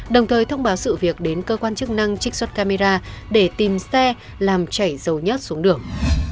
đồng thời thông báo sự việc đến cơ quan chức năng trích xuất camera để tìm xe làm chảy dầu nhất xuống đường